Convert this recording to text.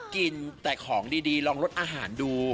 กินแต่ของดีลองลดอาหารดู